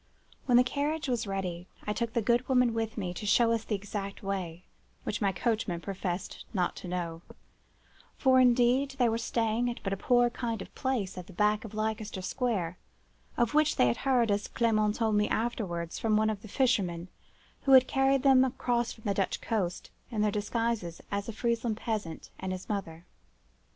When the carriage was ready I took the good woman with me to show us the exact way, which my coachman professed not to know; for, indeed, they were staying at but a poor kind of place at the back of Leicester Square, of which they had heard, as Clement told me afterwards, from one of the fishermen who had carried them across from the Dutch coast in their disguises as a Friesland peasant and his mother.